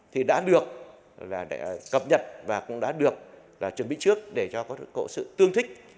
thì đã được cập nhật và cũng đã được chuẩn bị trước để cho sự tương thích